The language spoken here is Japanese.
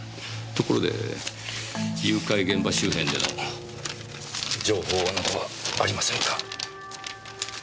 ところで誘拐現場周辺での情報などはありませんか？